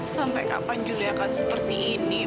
sampai kapan juli akan seperti ini